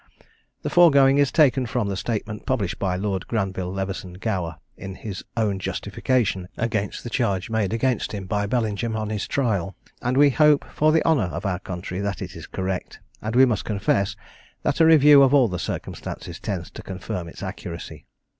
The foregoing is taken from the statement published by Lord Granville Leveson Gower, in his own justification, against the charge made against him by Bellingham on his trial; and we hope, for the honour of our country, that it is correct; and we must confess that a review of all the circumstances tends to confirm its accuracy.